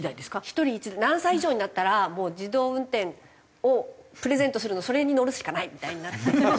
１人１台何歳以上になったらもう自動運転をプレゼントするそれに乗るしかないみたいになって。